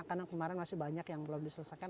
karena kemarin masih banyak yang belum diselesaikan